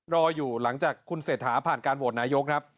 รออยู่หลังจากคุณเศรษฐาผ่านการโหวตนายกครับ